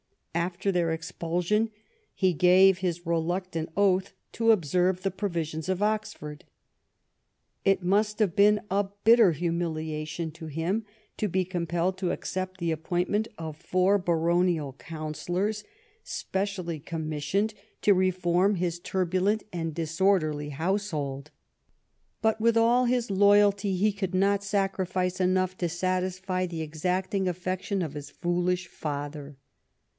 After their expulsion he gave his reluctant oath to observe the Provisions of Oxford. It must have been a bitter humiliation to him to be compelled to accept the appointment of four baronial councillors, specially commissioned to reform his turbulent and disorderly household. But with all his loyalty he could not sacrifice enough to satisfy the exacting affection of his foolish father.